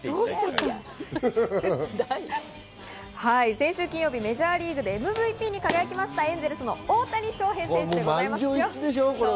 先週金曜日、メジャーリーグでＭＶＰに輝いたエンゼルスの大谷翔平選手。